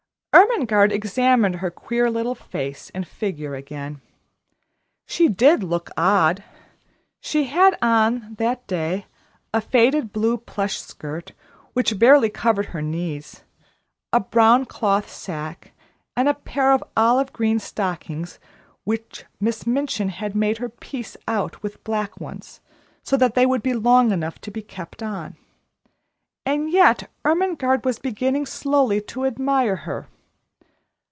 Ermengarde examined her queer little face and figure again. She did look odd. She had on, that day, a faded blue plush skirt, which barely covered her knees, a brown Cloth sacque, and a pair of olive green stockings which Miss Minchin had made her piece out with black ones, so that they would be long enough to be kept on. And yet Ermengarde was beginning slowly to admire her.